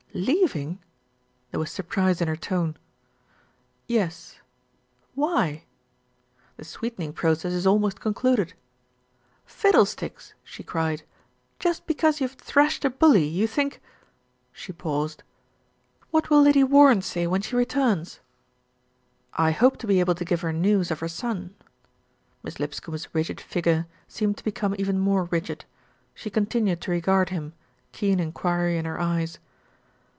"Leaving!" There was surprise in her tone. "Yes." "Why?" "The sweetening process is almost concluded." "Fiddlesticks !" she cried. "Just because you've thrashed a bully, you think " She paused. "What will Lady Warren say when she returns?" "I hope to be able to give her news of her son." Miss Lipscombe's rigid figure seemed to become even more rigid; she continued to regard him, keen enquiry in her eyes.